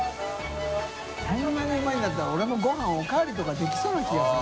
海鵑覆うまいんだったら俺も竿おかわりとかできそうな気がする。